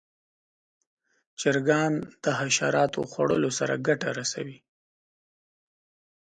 چرګان د حشراتو خوړلو سره ګټه رسوي.